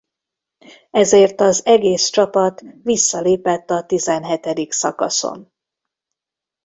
Ezért az egész csapat visszalépett a tizenhetedik szakaszon.